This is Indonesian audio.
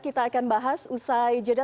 kita akan bahas usai jeda